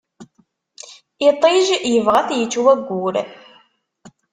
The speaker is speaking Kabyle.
Iṭij yebɣa ad t-yečč wayyur.